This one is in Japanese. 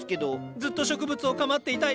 ずっと植物を構っていたい。